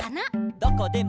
「どこでも」